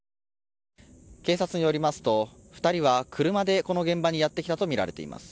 警察によりますと２人は車でこの現場にやってきたとみられています。